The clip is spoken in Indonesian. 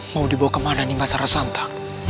mau dibawa kemana nih mas arasanta